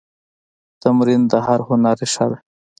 تمرین د هر هنر ریښه ده.